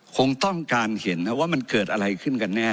คงต้องการเห็นนะว่ามันเกิดอะไรขึ้นกันแน่